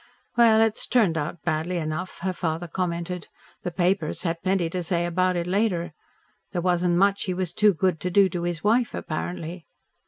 "Well, it's turned out badly enough," her father commented. "The papers had plenty to say about it later. There wasn't much he was too good to do to his wife, apparently."